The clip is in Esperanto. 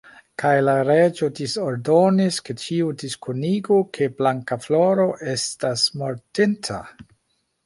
Kaj la reĝo disordonis, ke ĉiu diskonigu, ke Blankafloro estas mortinta.